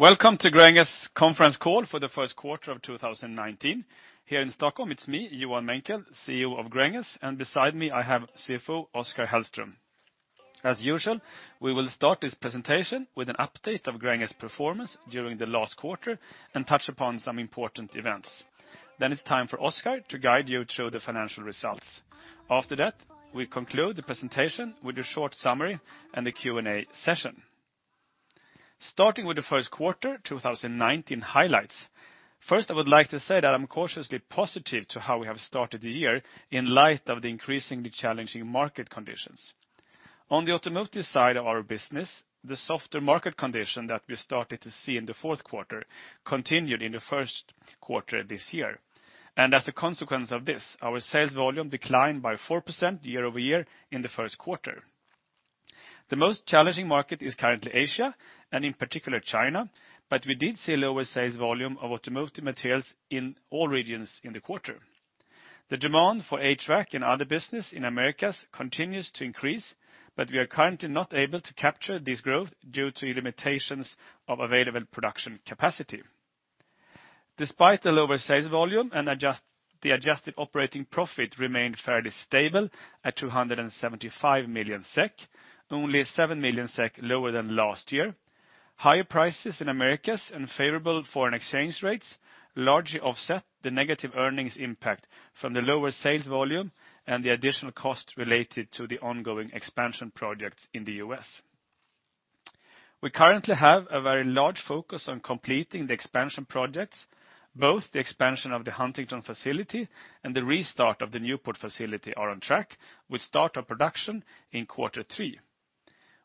Welcome to Gränges conference call for the first quarter of 2019. Here in Stockholm, it is me, Johan Menckel, CEO of Gränges, and beside me I have CFO Oskar Hellström. As usual, we will start this presentation with an update of Gränges performance during the last quarter and touch upon some important events. It is time for Oskar to guide you through the financial results. We conclude the presentation with a short summary and a Q&A session. Starting with the first quarter 2019 highlights. First, I would like to say that I am cautiously positive to how we have started the year in light of the increasingly challenging market conditions. On the automotive side of our business, the softer market condition that we started to see in the fourth quarter continued in the first quarter this year. As a consequence of this, our sales volume declined by 4% year-over-year in the first quarter. The most challenging market is currently Asia, and in particular China, but we did see a lower sales volume of automotive materials in all regions in the quarter. The demand for HVAC and other business in Americas continues to increase, but we are currently not able to capture this growth due to limitations of available production capacity. Despite the lower sales volume, the adjusted operating profit remained fairly stable at 275 million SEK, only 7 million SEK lower than last year. Higher prices in Americas and favorable foreign exchange rates largely offset the negative earnings impact from the lower sales volume and the additional cost related to the ongoing expansion project in the U.S. We currently have a very large focus on completing the expansion projects, both the expansion of the Huntingdon facility and the restart of the Newport facility are on track with start of production in quarter three.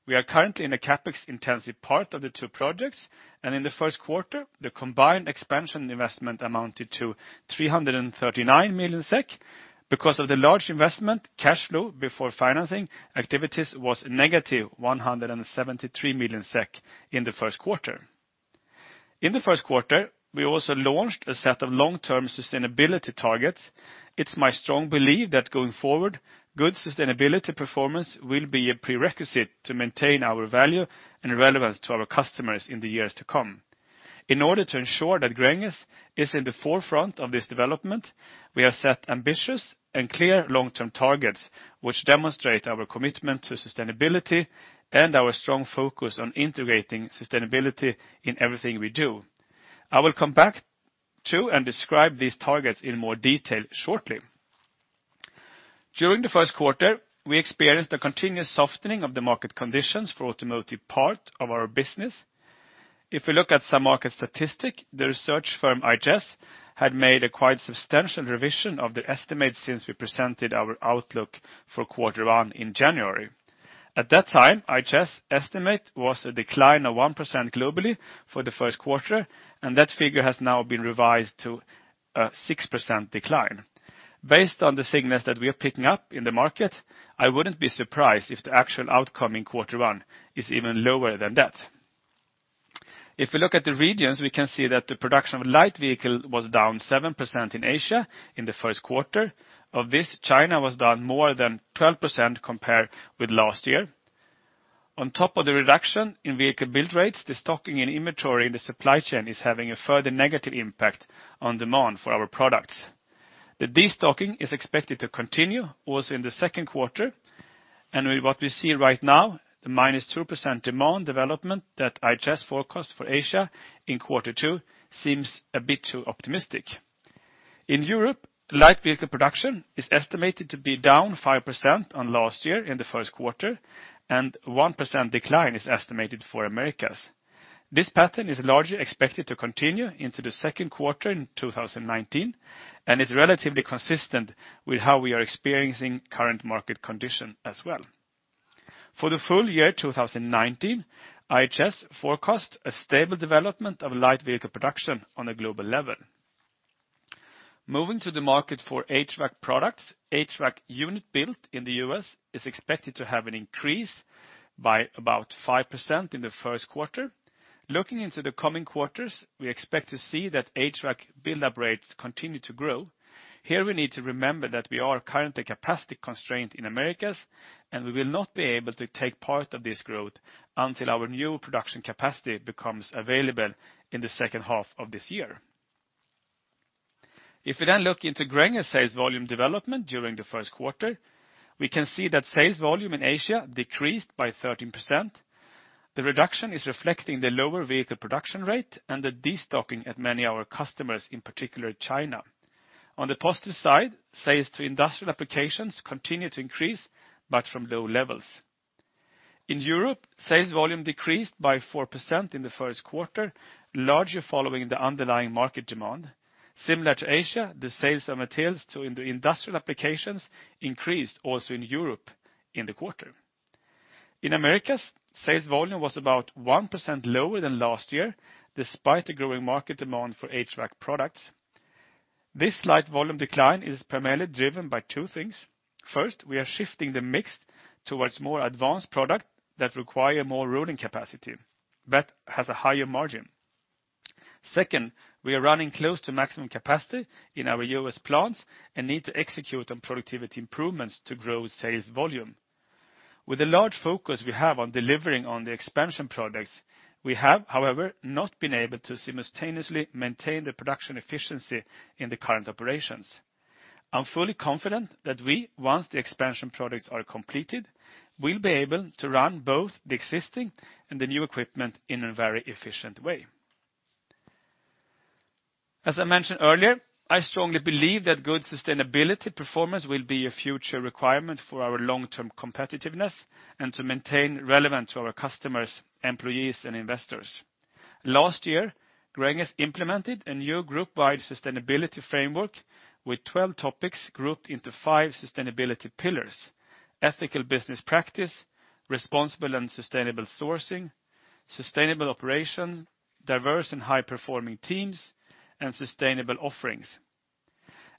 We are currently in a CapEx intensive part of the two projects, and in the first quarter, the combined expansion investment amounted to 339 million SEK. Because of the large investment, cash flow before financing activities was negative 173 million SEK in the first quarter. In the first quarter, we also launched a set of long-term sustainability targets. It is my strong belief that going forward, good sustainability performance will be a prerequisite to maintain our value and relevance to our customers in the years to come. In order to ensure that Gränges is in the forefront of this development, we have set ambitious and clear long-term targets, which demonstrate our commitment to sustainability and our strong focus on integrating sustainability in everything we do. I will come back to and describe these targets in more detail shortly. During the first quarter, we experienced a continuous softening of the market conditions for automotive part of our business. If we look at some market statistic, the research firm IHS had made a quite substantial revision of their estimate since we presented our outlook for quarter one in January. At that time, IHS estimate was a decline of 1% globally for the first quarter, and that figure has now been revised to a 6% decline. Based on the signals that we are picking up in the market, I wouldn't be surprised if the actual outcome in quarter one is even lower than that. If we look at the regions, we can see that the production of light vehicle was down 7% in Asia in the first quarter. Of this, China was down more than 12% compared with last year. On top of the reduction in vehicle build rates, the stocking and inventory in the supply chain is having a further negative impact on demand for our products. The de-stocking is expected to continue also in the second quarter, and with what we see right now, the -2% demand development that IHS forecast for Asia in quarter two seems a bit too optimistic. In Europe, light vehicle production is estimated to be down 5% on last year in the first quarter, and 1% decline is estimated for Americas. This pattern is largely expected to continue into the second quarter in 2019 and is relatively consistent with how we are experiencing current market condition as well. For the full year 2019, IHS forecast a stable development of light vehicle production on a global level. Moving to the market for HVAC products, HVAC unit built in the U.S. is expected to have an increase by about 5% in the first quarter. Looking into the coming quarters, we expect to see that HVAC buildup rates continue to grow. Here we need to remember that we are currently capacity constrained in Americas, and we will not be able to take part of this growth until our new production capacity becomes available in the second half of this year. If we then look into Gränges sales volume development during the first quarter, we can see that sales volume in Asia decreased by 13%. The reduction is reflecting the lower vehicle production rate and the de-stocking at many of our customers, in particular China. On the positive side, sales to industrial applications continue to increase, but from low levels. In Europe, sales volume decreased by 4% in the first quarter, largely following the underlying market demand. Similar to Asia, the sales of materials in the industrial applications increased also in Europe in the quarter. In Americas, sales volume was about 1% lower than last year, despite the growing market demand for HVAC products. This slight volume decline is primarily driven by two things. First, we are shifting the mix towards more advanced product that require more rolling capacity, but has a higher margin. Second, we are running close to maximum capacity in our U.S. plants and need to execute on productivity improvements to grow sales volume. With the large focus we have on delivering on the expansion projects, we have, however, not been able to simultaneously maintain the production efficiency in the current operations. I'm fully confident that we, once the expansion products are completed, will be able to run both the existing and the new equipment in a very efficient way. As I mentioned earlier, I strongly believe that good sustainability performance will be a future requirement for our long-term competitiveness and to maintain relevance to our customers, employees, and investors. Last year, Gränges implemented a new group-wide sustainability framework with 12 topics grouped into five sustainability pillars: ethical business practice, responsible and sustainable sourcing, sustainable operations, diverse and high-performing teams, and sustainable offerings.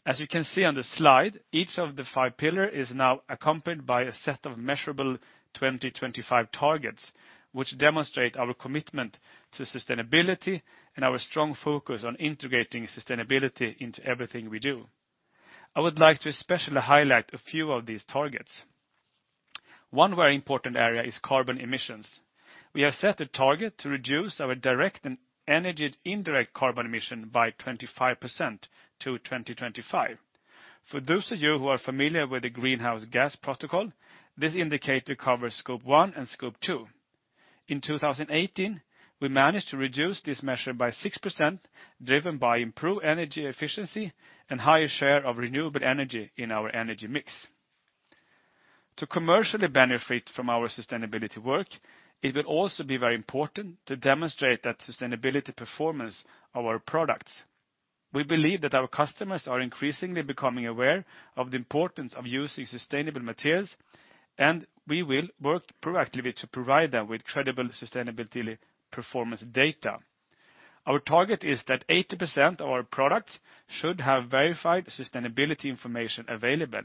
As you can see on the slide, each of the five pillar is now accompanied by a set of measurable 2025 targets, which demonstrate our commitment to sustainability and our strong focus on integrating sustainability into everything we do. I would like to especially highlight a few of these targets. One very important area is carbon emissions. We have set a target to reduce our direct and indirect carbon emission by 25% to 2025. For those of you who are familiar with the Greenhouse Gas Protocol, this indicator covers Scope 1 and Scope 2. In 2018, we managed to reduce this measure by 6%, driven by improved energy efficiency and higher share of renewable energy in our energy mix. To commercially benefit from our sustainability work, it will also be very important to demonstrate that sustainability performance of our products. We believe that our customers are increasingly becoming aware of the importance of using sustainable materials, and we will work proactively to provide them with credible sustainability performance data. Our target is that 80% of our products should have verified sustainability information available,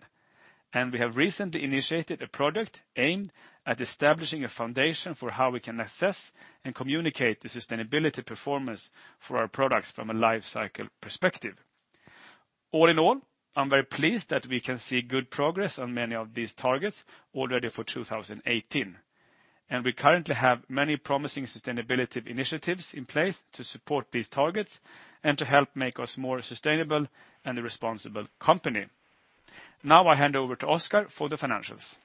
and we have recently initiated a project aimed at establishing a foundation for how we can assess and communicate the sustainability performance for our products from a life cycle perspective. All in all, I'm very pleased that we can see good progress on many of these targets already for 2018. We currently have many promising sustainability initiatives in place to support these targets and to help make us more sustainable and a responsible company. Now I hand over to Oskar for the financials.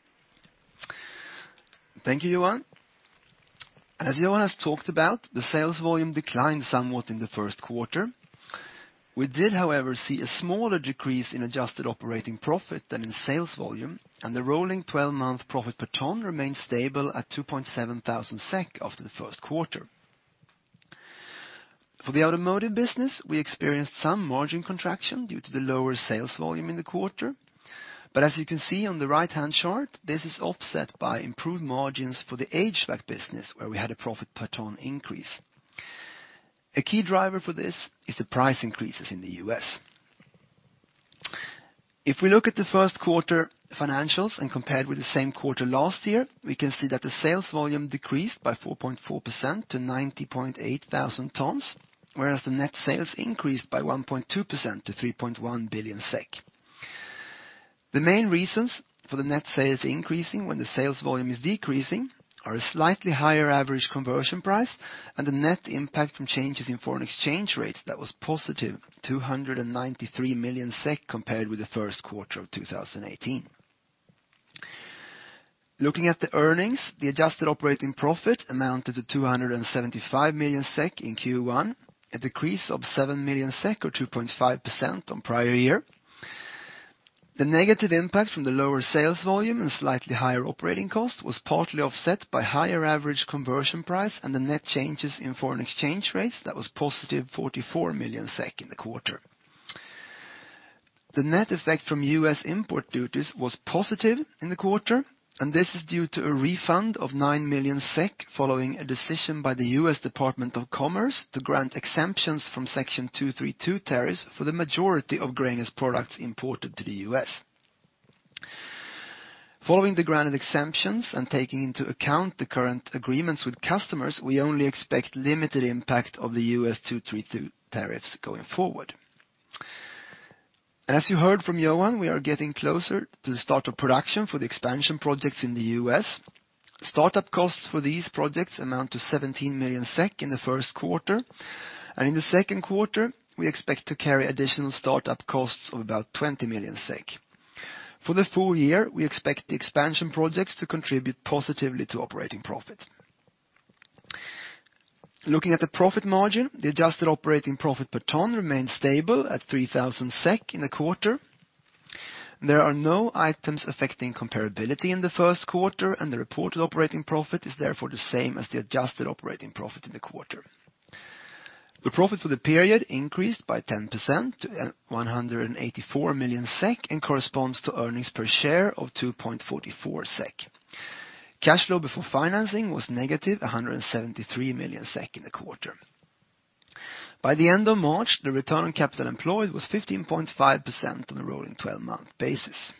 Thank you, Johan. As Johan has talked about, the sales volume declined somewhat in the first quarter. We did, however, see a smaller decrease in adjusted operating profit than in sales volume, and the rolling 12-month profit per ton remains stable at 2,700 SEK after the first quarter. For the automotive business, we experienced some margin contraction due to the lower sales volume in the quarter. But as you can see on the right-hand chart, this is offset by improved margins for the HVAC business, where we had a profit per ton increase. A key driver for this is the price increases in the U.S. If we look at the first quarter financials and compare with the same quarter last year, we can see that the sales volume decreased by 4.4% to 90,800 tons, whereas the net sales increased by 1.2% to 3.1 billion SEK. The main reasons for the net sales increasing when the sales volume is decreasing are a slightly higher average conversion price and the net impact from changes in foreign exchange rates that was positive, 293 million SEK compared with the first quarter of 2018. Looking at the earnings, the adjusted operating profit amounted to 275 million SEK in Q1, a decrease of 7 million SEK or 2.5% on prior year. The negative impact from the lower sales volume and slightly higher operating cost was partly offset by higher average conversion price and the net changes in foreign exchange rates that was positive 44 million SEK in the quarter. The net effect from U.S. import duties was positive in the quarter. This is due to a refund of 9 million SEK following a decision by the U.S. Department of Commerce to grant exemptions from Section 232 tariffs for the majority of Gränges products imported to the U.S. Following the granted exemptions and taking into account the current agreements with customers, we only expect limited impact of the U.S. 232 tariffs going forward. As you heard from Johan, we are getting closer to the start of production for the expansion projects in the U.S. Startup costs for these projects amount to 17 million SEK in the first quarter, and in the second quarter, we expect to carry additional startup costs of about 20 million SEK. For the full year, we expect the expansion projects to contribute positively to operating profit. Looking at the profit margin, the adjusted operating profit per ton remains stable at 3,000 SEK in the quarter. There are no items affecting comparability in the first quarter. The reported operating profit is therefore the same as the adjusted operating profit in the quarter. The profit for the period increased by 10% to 184 million SEK and corresponds to earnings per share of 2.44 SEK. Cash flow before financing was negative 173 million SEK in the quarter. By the end of March, the return on capital employed was 15.5% on a rolling 12-month basis.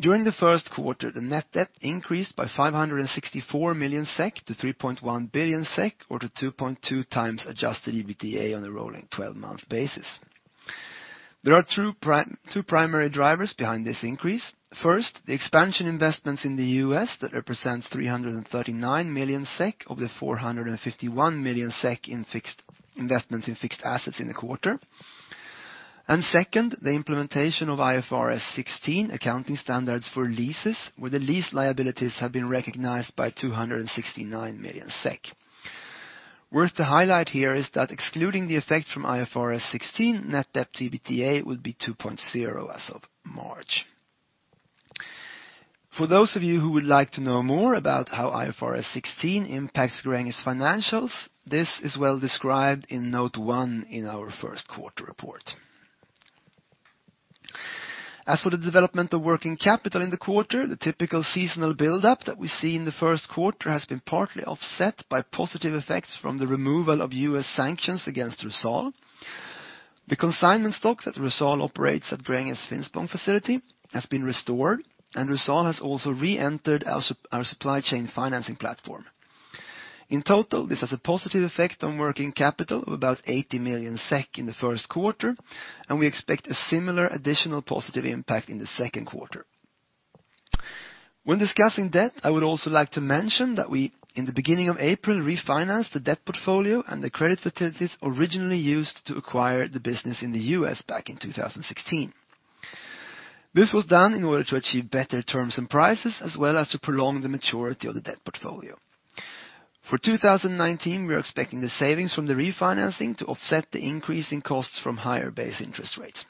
During the first quarter, the net debt increased by 564 million SEK to 3.1 billion SEK, or to 2.2 times adjusted EBITDA on a rolling 12-month basis. There are two primary drivers behind this increase. First, the expansion investments in the U.S. that represents 339 million SEK of the 451 million SEK in investments in fixed assets in the quarter. Second, the implementation of IFRS 16 accounting standards for leases, where the lease liabilities have been recognized by 269 million SEK. Worth to highlight here is that excluding the effect from IFRS 16, net debt to EBITDA would be 2.0 as of March. For those of you who would like to know more about how IFRS 16 impacts Gränges financials, this is well described in note one in our first quarter report. As for the development of working capital in the quarter, the typical seasonal buildup that we see in the first quarter has been partly offset by positive effects from the removal of U.S. sanctions against RUSAL. The consignment stock that RUSAL operates at Gränges Finspång facility has been restored, and RUSAL has also reentered our supply chain financing platform. In total, this has a positive effect on working capital of about 80 million SEK in the first quarter, and we expect a similar additional positive impact in the second quarter. When discussing debt, I would also like to mention that we, in the beginning of April, refinanced the debt portfolio and the credit facilities originally used to acquire the business in the U.S. back in 2016. This was done in order to achieve better terms and prices, as well as to prolong the maturity of the debt portfolio. For 2019, we are expecting the savings from the refinancing to offset the increase in costs from higher base interest rates.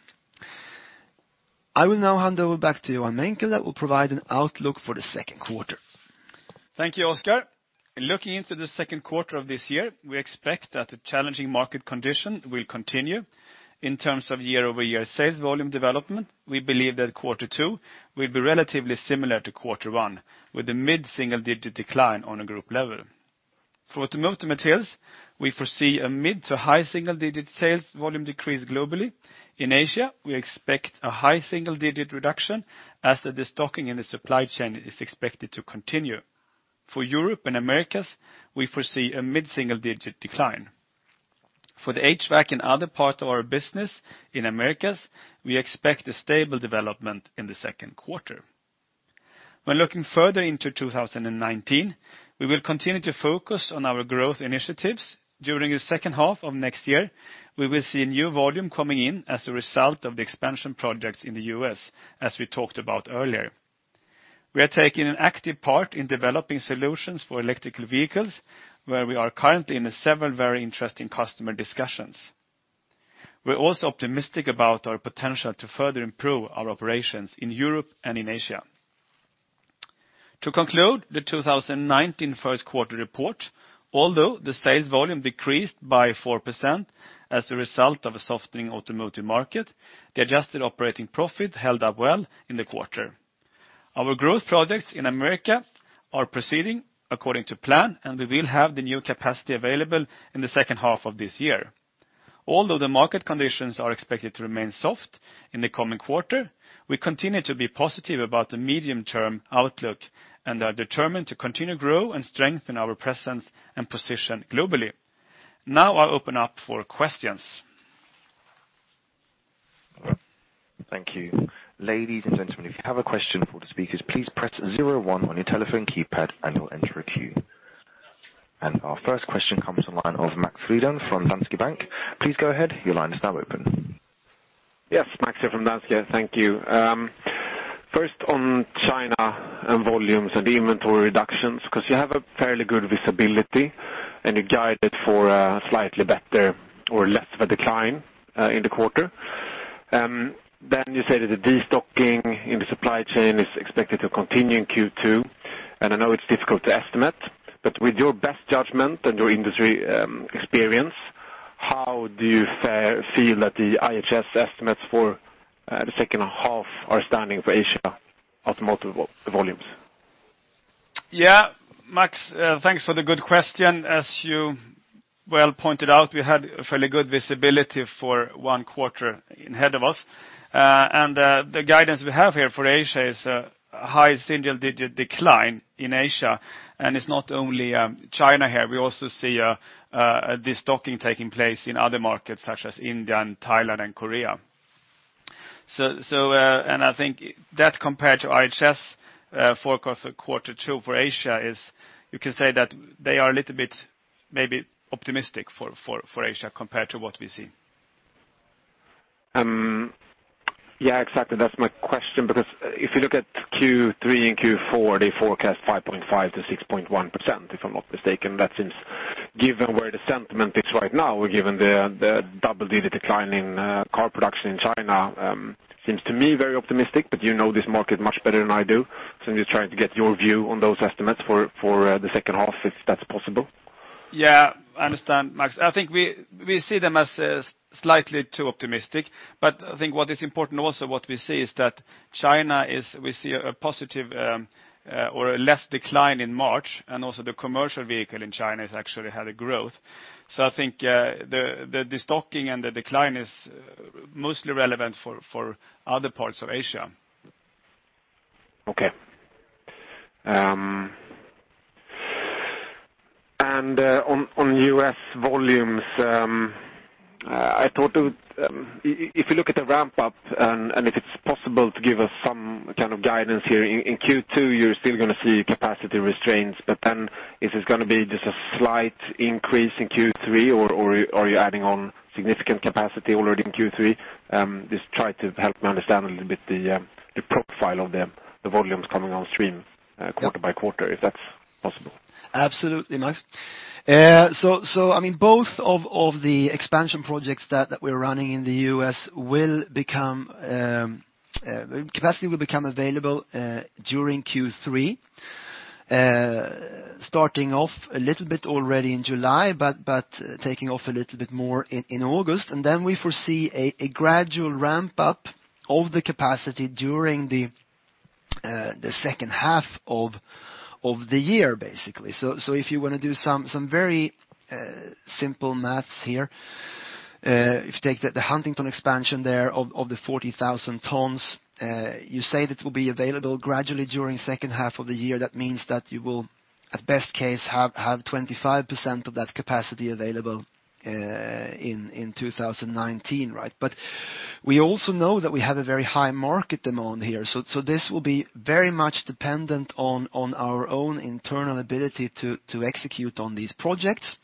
I will now hand over back to Johan Menckel that will provide an outlook for the second quarter. Thank you, Oskar. Looking into the second quarter of this year, we expect that the challenging market condition will continue. In terms of year-over-year sales volume development, we believe that quarter two will be relatively similar to quarter one, with a mid-single digit decline on a group level. For automotive materials, we foresee a mid to high single-digit sales volume decrease globally. In Asia, we expect a high single-digit reduction as the destocking in the supply chain is expected to continue. For Europe and Americas, we foresee a mid-single digit decline. For the HVAC and other part of our business in Americas, we expect a stable development in the second quarter. When looking further into 2019, we will continue to focus on our growth initiatives. During the second half of next year, we will see new volume coming in as a result of the expansion projects in the U.S., as we talked about earlier. We are taking an active part in developing solutions for electrical vehicles, where we are currently in several very interesting customer discussions. We're also optimistic about our potential to further improve our operations in Europe and in Asia. To conclude the 2019 first quarter report, although the sales volume decreased by 4% as a result of a softening automotive market, the adjusted operating profit held up well in the quarter. Our growth projects in America are proceeding according to plan, and we will have the new capacity available in the second half of this year. Although the market conditions are expected to remain soft in the coming quarter, we continue to be positive about the medium-term outlook and are determined to continue to grow and strengthen our presence and position globally. Now I open up for questions. Thank you. Ladies and gentlemen, if you have a question for the speakers, please press 01 on your telephone keypad and you'll enter a queue. Our first question comes from the line of Max Frydén from Danske Bank. Please go ahead. Your line is now open. Yes, Max here from Danske. Thank you. First on China and volumes and inventory reductions, because you have a fairly good visibility and you guided for a slightly better or less of a decline, in the quarter. Then you say that the destocking in the supply chain is expected to continue in Q2. I know it's difficult to estimate, but with your best judgment and your industry experience, how do you feel that the IHS estimates for the second half are standing for Asia automotive volumes? Yeah, Max, thanks for the good question. As you well pointed out, we had fairly good visibility for one quarter ahead of us. The guidance we have here for Asia is a high single-digit decline in Asia, and it's not only China here. We also see destocking taking place in other markets such as India and Thailand and Korea. I think that compared to IHS forecast for quarter two for Asia is, you can say that they are a little bit maybe optimistic for Asia compared to what we see. Yeah, exactly. That's my question, because if you look at Q3 and Q4, they forecast 5.5% to 6.1%, if I'm not mistaken. That seems, given where the sentiment is right now, given the double-digit decline in car production in China, seems to me very optimistic, but you know this market much better than I do. I'm just trying to get your view on those estimates for the second half, if that's possible. Yeah, I understand, Max. I think we see them as slightly too optimistic, but I think what is important also what we see is that China is we see a positive or a less decline in March, and also the commercial vehicle in China has actually had a growth. I think the destocking and the decline is mostly relevant for other parts of Asia. Okay. On U.S. volumes, if you look at the ramp up, and if it's possible to give us some kind of guidance here in Q2, you're still going to see capacity restraints, is this going to be just a slight increase in Q3, or are you adding on significant capacity already in Q3? Just try to help me understand a little bit the profile of the volumes coming on stream quarter by quarter, if that's possible. Absolutely, Max. Both of the expansion projects that we're running in the U.S., capacity will become available during Q3, starting off a little bit already in July, taking off a little bit more in August. We foresee a gradual ramp up of the capacity during the second half of the year, basically. If you want to do some very simple maths here. If you take the Huntingdon expansion there of the 40,000 tons, you say that will be available gradually during second half of the year, that means that you will, at best case, have 25% of that capacity available in 2019, right? We also know that we have a very high market demand here. This will be very much dependent on our own internal ability to execute on these projects.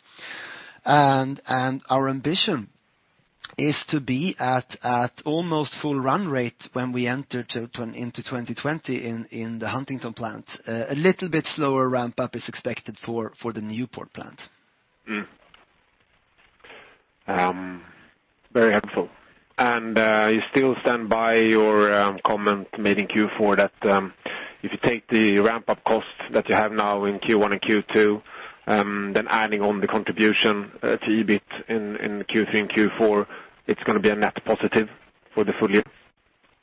Our ambition is to be at almost full run rate when we enter into 2020 in the Huntingdon plant. A little bit slower ramp-up is expected for the Newport plant. Very helpful. You still stand by your comment made in Q4 that if you take the ramp-up costs that you have now in Q1 and Q2, adding on the contribution to EBIT in Q3 and Q4, it's going to be a net positive for the full year?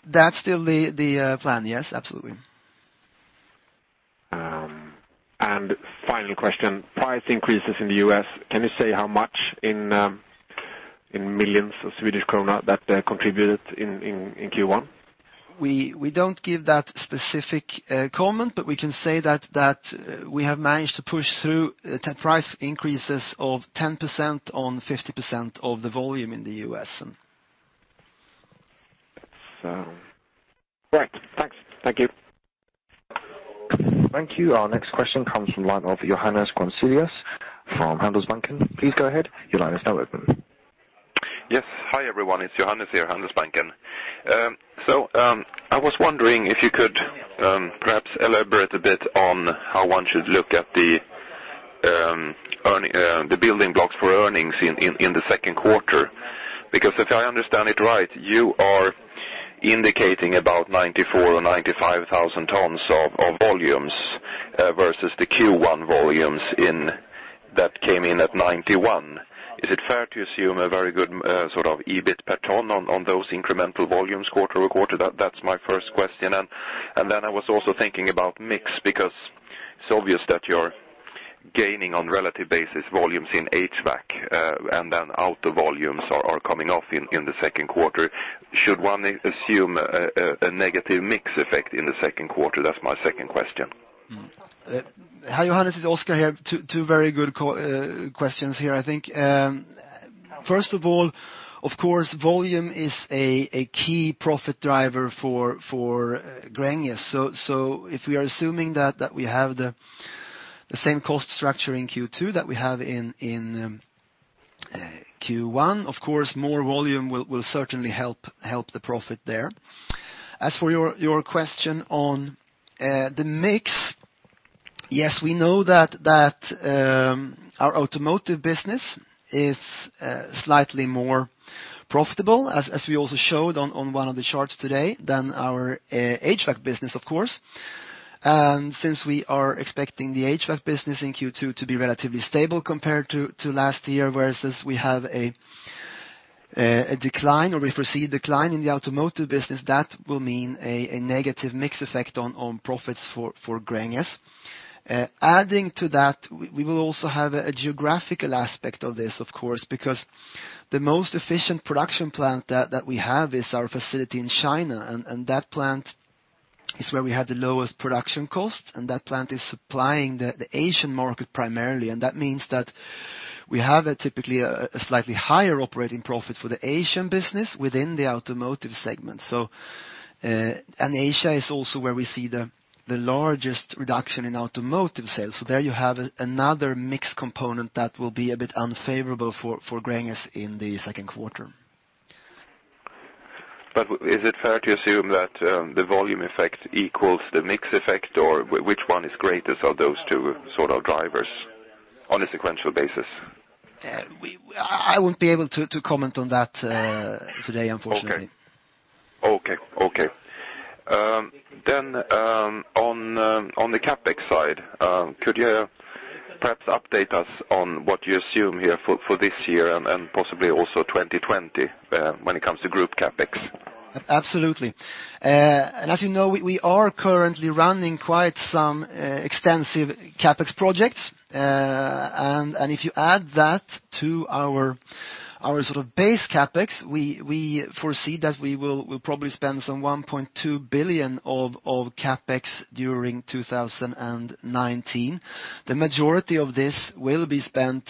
That's still the plan. Yes, absolutely. Final question. Price increases in the U.S. Can you say how much in millions of Swedish krona that contributed in Q1? We don't give that specific comment, but we can say that we have managed to push through price increases of 10% on 50% of the volume in the U.S. Correct. Thanks. Thank you. Thank you. Our next question comes from Johannes Grunselius from Handelsbanken. Please go ahead. Your line is now open. Yes. Hi, everyone. It's Johannes here, Handelsbanken. I was wondering if you could perhaps elaborate a bit on how one should look at the building blocks for earnings in the second quarter. If I understand it right, you are indicating about 94,000 or 95,000 tons of volumes versus the Q1 volumes that came in at 91. Is it fair to assume a very good EBIT per ton on those incremental volumes quarter-over-quarter? That's my first question. I was also thinking about mix because it's obvious that you're gaining on relative basis volumes in HVAC, then auto volumes are coming off in the second quarter. Should one assume a negative mix effect in the second quarter? That's my second question. Hi, Johannes, it's Oskar here. Two very good questions here, I think. First of all, of course, volume is a key profit driver for Gränges. If we are assuming that we have the same cost structure in Q2 that we have in Q1, of course, more volume will certainly help the profit there. As for your question on the mix, yes, we know that our automotive business is slightly more profitable, as we also showed on one of the charts today, than our HVAC business, of course. Since we are expecting the HVAC business in Q2 to be relatively stable compared to last year, whereas we have a decline, or we foresee a decline in the automotive business, that will mean a negative mix effect on profits for Gränges. Adding to that, we will also have a geographical aspect of this, of course, because the most efficient production plant that we have is our facility in China, and that plant is where we have the lowest production cost, and that plant is supplying the Asian market primarily. That means that we have typically a slightly higher operating profit for the Asian business within the automotive segment. Asia is also where we see the largest reduction in automotive sales. There you have another mix component that will be a bit unfavorable for Gränges in the second quarter. Is it fair to assume that the volume effect equals the mix effect, or which one is greatest of those two drivers on a sequential basis? I won't be able to comment on that today, unfortunately. Okay. On the CapEx side, could you perhaps update us on what you assume here for this year and possibly also 2020 when it comes to group CapEx? Absolutely. As you know, we are currently running quite some extensive CapEx projects. If you add that to our base CapEx, we foresee that we will probably spend some 1.2 billion of CapEx during 2019. The majority of this will be spent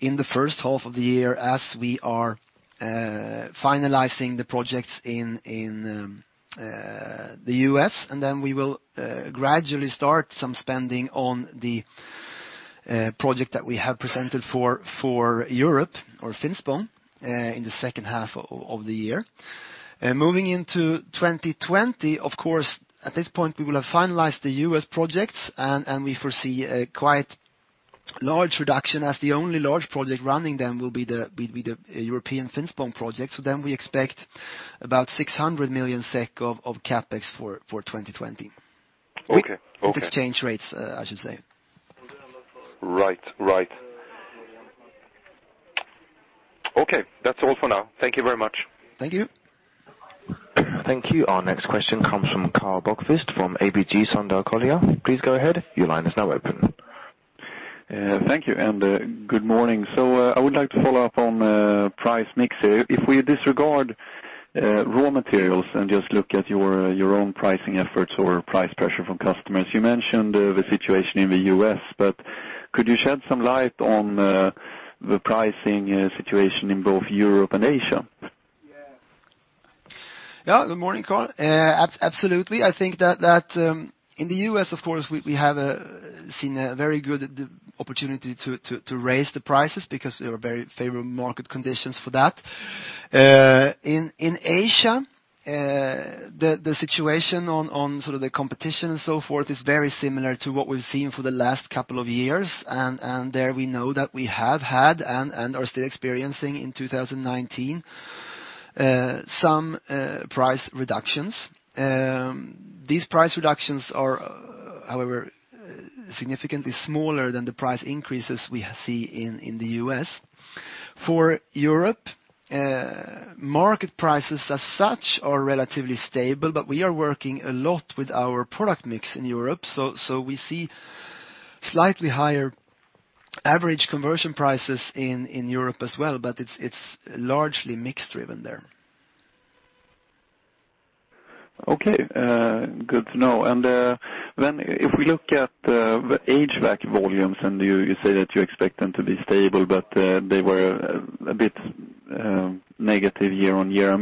in the first half of the year as we are finalizing the projects in the U.S., we will gradually start some spending on the project that we have presented for Europe or Finspång in the second half of the year. Moving into 2020, of course, at this point, we will have finalized the U.S. projects, we foresee a quite large reduction as the only large project running then will be the European Finspång project. We expect about 600 million SEK of CapEx for 2020. Okay. With exchange rates, I should say. Right. Okay. That's all for now. Thank you very much. Thank you. Thank you. Our next question comes from Karl Bokvist from ABG Sundal Collier. Please go ahead. Your line is now open. Thank you. Good morning. I would like to follow up on price mix. If we disregard raw materials and just look at your own pricing efforts or price pressure from customers. You mentioned the situation in the U.S., could you shed some light on the pricing situation in both Europe and Asia? Yeah, good morning, Karl. Absolutely. I think that in the U.S., of course, we have seen a very good opportunity to raise the prices because there are very favorable market conditions for that. In Asia, the situation on the competition and so forth is very similar to what we've seen for the last couple of years. There we know that we have had and are still experiencing in 2019, some price reductions. These price reductions are, however, significantly smaller than the price increases we see in the U.S. For Europe, market prices as such are relatively stable, we are working a lot with our product mix in Europe, we see slightly higher average conversion prices in Europe as well, it's largely mix-driven there. Good to know. If we look at the HVAC volumes, you say that you expect them to be stable, they were a bit negative year-over-year.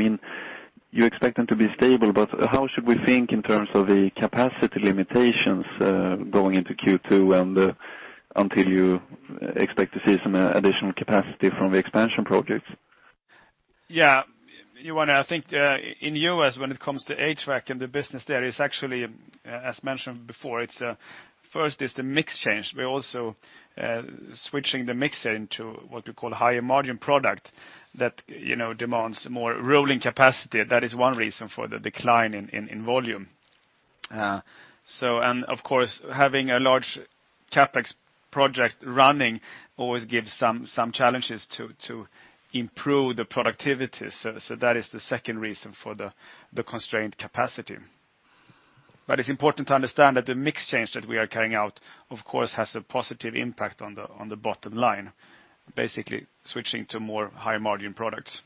You expect them to be stable, how should we think in terms of the capacity limitations, going into Q2 and until you expect to see some additional capacity from the expansion projects? Yeah. Johan here. I think in the U.S., when it comes to HVAC and the business there, it's actually as mentioned before, first it's the mix change. We're also switching the mix into what we call higher margin product that demands more rolling capacity. That is one reason for the decline in volume. Of course, having a large CapEx project running always gives some challenges to improve the productivity. That is the second reason for the constrained capacity. It's important to understand that the mix change that we are carrying out, of course, has a positive impact on the bottom line, basically switching to more high-margin products.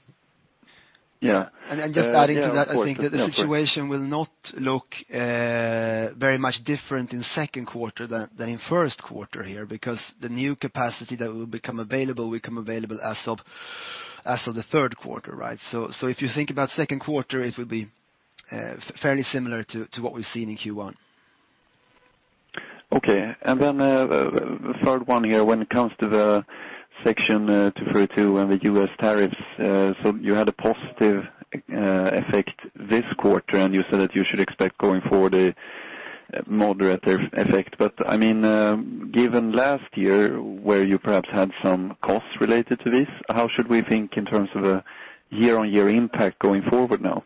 Just adding to that, I think that the situation will not look very much different in the second quarter than in the first quarter here, because the new capacity that will become available will become available as of the third quarter, right? If you think about the second quarter, it will be fairly similar to what we've seen in Q1. Okay. The third one here, when it comes to the Section 232 and the U.S. tariffs. You had a positive effect this quarter, you said that you should expect going forward a moderate effect. Given last year where you perhaps had some costs related to this, how should we think in terms of the year-over-year impact going forward now?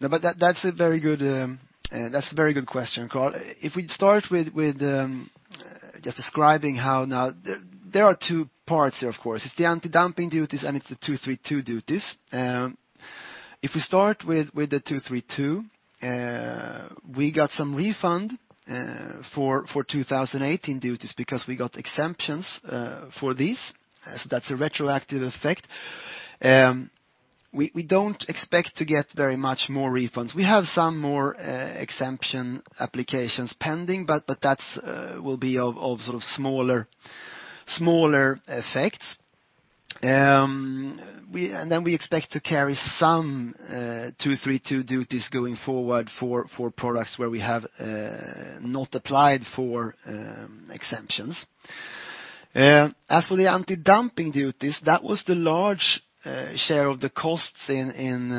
That's a very good question, Karl. If we start with just describing how now there are two parts here, of course. It's the anti-dumping duties and it's the 232 duties. If we start with the 232, we got some refund for 2018 duties because we got exemptions for these. That's a retroactive effect. We don't expect to get very much more refunds. We have some more exemption applications pending, but that will be of smaller effects. Then we expect to carry some 232 duties going forward for products where we have not applied for exemptions. As for the anti-dumping duties, that was the large share of the costs in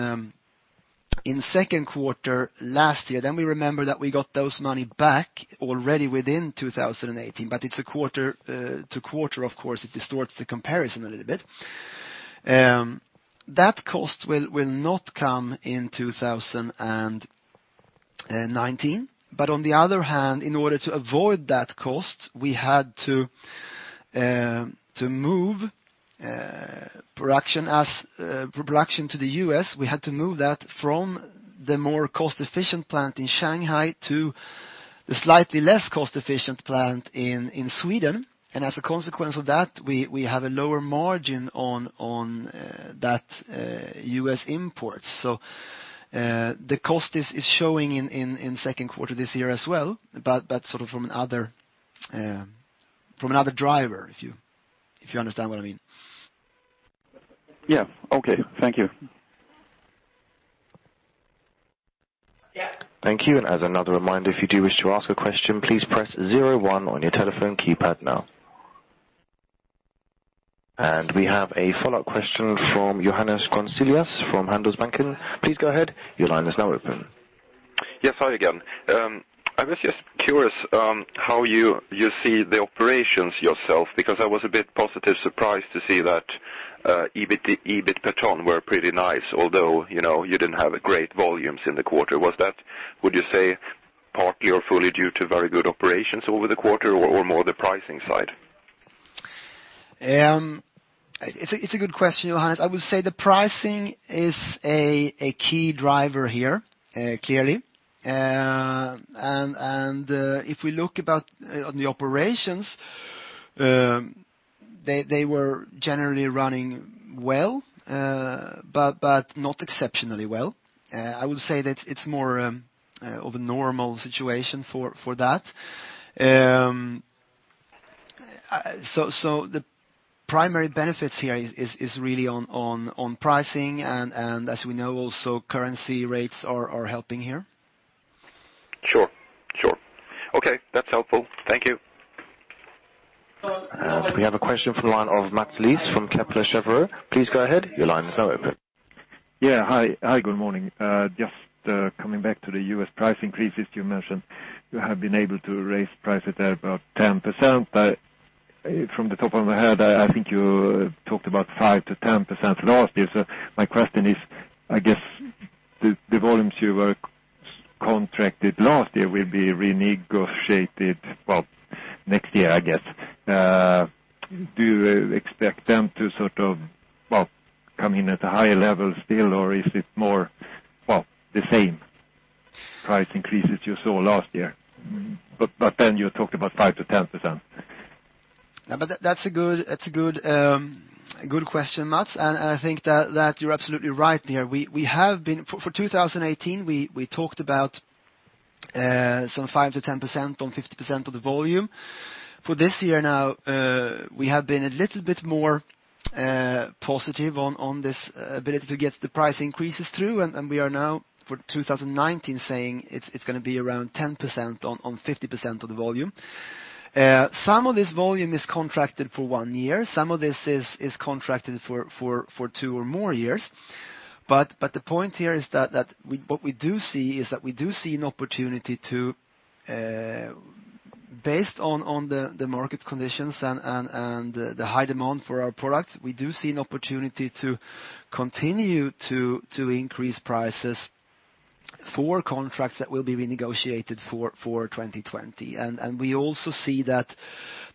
the second quarter last year. We remember that we got that money back already within 2018. It's a quarter to quarter, of course, it distorts the comparison a little bit. That cost will not come in 2019. On the other hand, in order to avoid that cost, we had to move production to the U.S. We had to move that from the more cost-efficient plant in Shanghai to the slightly less cost-efficient plant in Sweden, and as a consequence of that, we have a lower margin on that U.S. import. The cost is showing in second quarter this year as well, but sort of from another driver, if you understand what I mean. Yeah. Okay. Thank you. Thank you. As another reminder, if you do wish to ask a question, please press zero one on your telephone keypad now. We have a follow-up question from Johannes Grunselius from Handelsbanken. Please go ahead. Your line is now open. Yes. Hi again. I was just curious how you see the operations yourself, because I was a bit positive surprised to see that EBIT per ton were pretty nice, although you didn't have great volumes in the quarter. Was that, would you say, partly or fully due to very good operations over the quarter or more the pricing side? It's a good question, Johannes. I would say the pricing is a key driver here, clearly. If we look about on the operations, they were generally running well, but not exceptionally well. I would say that it's more of a normal situation for that. The primary benefits here is really on pricing, and as we know, also currency rates are helping here. Sure. Okay. That's helpful. Thank you. We have a question from the line of Mats Liss from Kepler Cheuvreux. Please go ahead. Your line is now open. Yeah. Hi, good morning. Just coming back to the U.S. price increases you mentioned. You have been able to raise prices there about 10%, but from the top of my head, I think you talked about 5%-10% last year. My question is, I guess, the volumes you were contracted last year will be renegotiated, well, next year, I guess. Do you expect them to sort of, well, come in at a higher level still, or is it more, well, the same price increases you saw last year? You talked about 5%-10%. That's a good question, Mats, I think that you're absolutely right there. For 2018, we talked about some 5%-10% on 50% of the volume. For this year now, we have been a little bit more positive on this ability to get the price increases through, we are now, for 2019, saying it's going to be around 10% on 50% of the volume. Some of this volume is contracted for one year. Some of this is contracted for two or more years. The point here is that what we do see is that we do see an opportunity to, based on the market conditions and the high demand for our product, we do see an opportunity to continue to increase prices for contracts that will be renegotiated for 2020. We also see that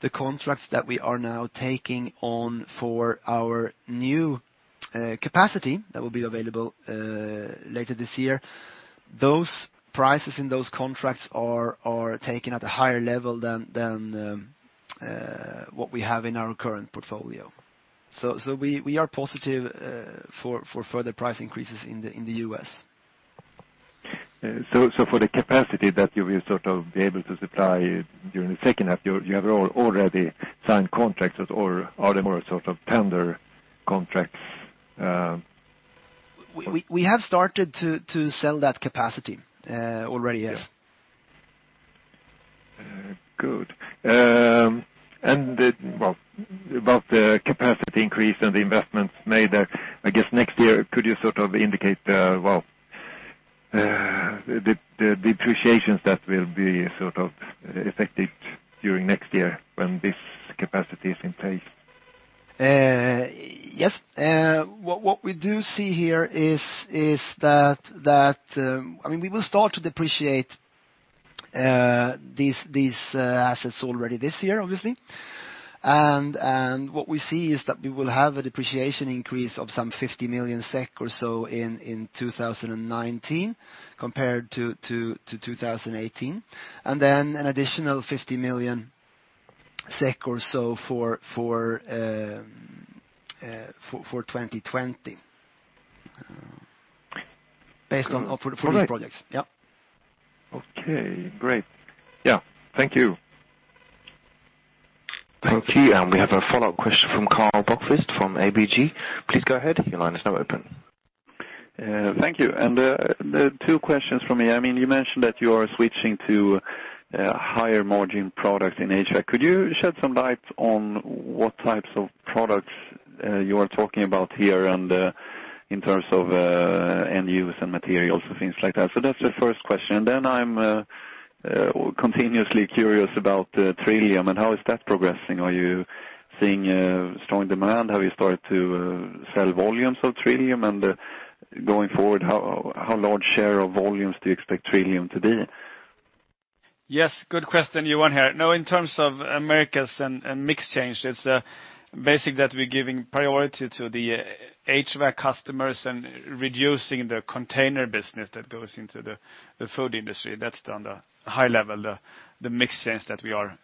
the contracts that we are now taking on for our new capacity that will be available later this year, those prices in those contracts are taken at a higher level than what we have in our current portfolio. We are positive for further price increases in the U.S. For the capacity that you will sort of be able to supply during the second half, you have already signed contracts, or are they more sort of tender contracts? We have started to sell that capacity already, yes. Good. About the capacity increase and the investments made there, I guess next year, could you sort of indicate the depreciations that will be sort of effective during next year when this capacity is in place? Yes. What we do see here is that we will start to depreciate these assets already this year, obviously. What we see is that we will have a depreciation increase of some 50 million SEK or so in 2019 compared to 2018, and then an additional 50 million SEK or so for 2020 based on for the projects. Yep. Okay, great. Yeah. Thank you. Thank you. We have a follow-up question from Karl Bokvist from ABG. Please go ahead. Your line is now open. Thank you. Two questions from me. You mentioned that you are switching to a higher margin product in Asia. Could you shed some light on what types of products you are talking about here and in terms of end use and materials and things like that? That's the first question. I'm continuously curious about TRILLIUM and how is that progressing. Are you seeing strong demand? Have you started to sell volumes of TRILLIUM? Going forward, how large share of volumes do you expect TRILLIUM to be? Yes, good question, Johan here. No, in terms of Americas and mix change, it's basic that we're giving priority to the HVAC customers and reducing the container business that goes into the food industry. That's on the high level, the mix change that we are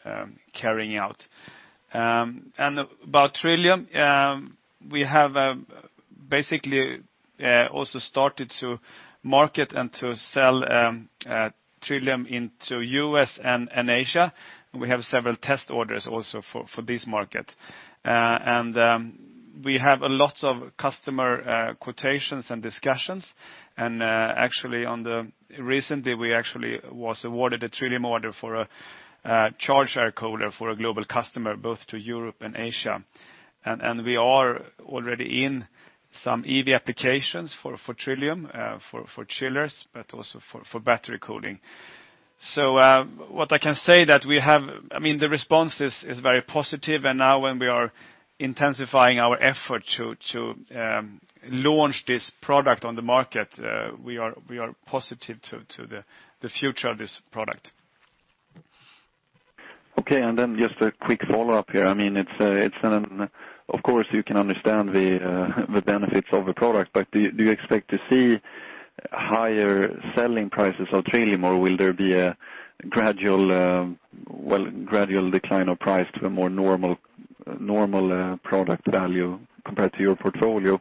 carrying out. About TRILLIUM, we have basically also started to market and to sell TRILLIUM into U.S. and Asia. We have several test orders also for this market. We have a lot of customer quotations and discussions. Recently we actually was awarded a TRILLIUM order for a charge air cooler for a global customer, both to Europe and Asia. We are already in some EV applications for TRILLIUM, for chillers, but also for battery cooling. What I can say that the response is very positive, and now when we are intensifying our effort to launch this product on the market, we are positive to the future of this product. Okay, just a quick follow-up here. Of course, you can understand the benefits of a product, do you expect to see higher selling prices of TRILLIUM, or will there be a gradual decline of price to a more normal product value compared to your portfolio?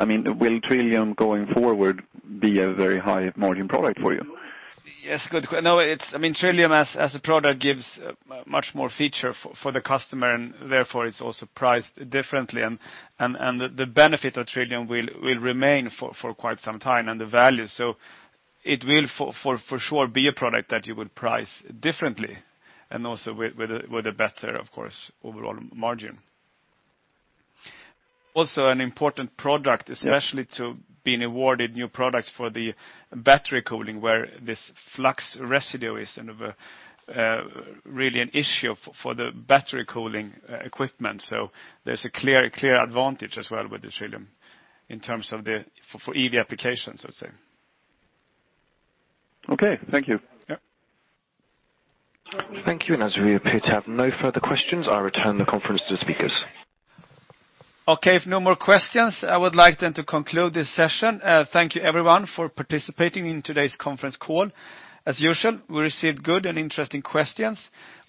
Will TRILLIUM, going forward, be a very high-margin product for you? Yes, good no, TRILLIUM as a product gives much more feature for the customer, therefore it's also priced differently. The benefit of TRILLIUM will remain for quite some time, and the value. It will, for sure, be a product that you will price differently, and also with a better, of course, overall margin. Also an important product, especially to being awarded new products for the battery cooling, where this flux residue is really an issue for the battery cooling equipment. There's a clear advantage as well with the TRILLIUM in terms of for EV applications, I'd say. Okay, thank you. Yep. Thank you. As we appear to have no further questions, I return the conference to the speakers. Okay, if no more questions, I would like then to conclude this session. Thank you everyone for participating in today's conference call. As usual, we received good and interesting questions.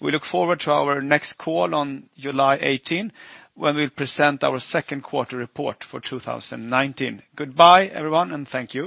We look forward to our next call on July 18, when we'll present our second quarter report for 2019. Goodbye everyone, and thank you.